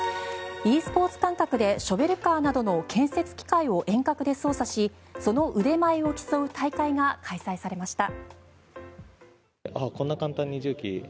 ｅスポーツ感覚でショベルカーなどの建設機械を遠隔で操作しその腕前を競う大会が開催されました。